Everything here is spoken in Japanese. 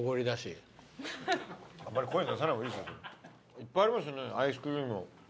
いっぱいありますねアイスクリーム。